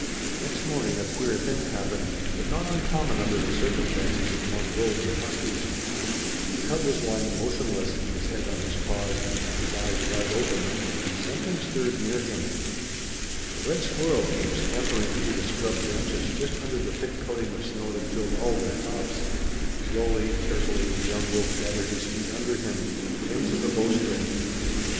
Next morning a queer thing happened, but not uncommon under the circumstances among wolves and huskies. The cub was lying motionless, his head on his paws, his eyes wide open, when something stirred near him. A red squirrel came scampering through the scrub branches just under the thick coating of snow that filled all their tops. Slowly, carefully the young wolf gathered his feet under him, tense as a bowstring.